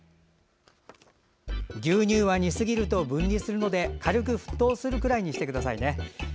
牛乳は煮過ぎると分離するので軽く沸騰するくらいにしてくださいね。